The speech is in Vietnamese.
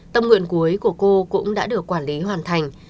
tâm nguyện cuối của cô cũng đã được quản lý hoàn thành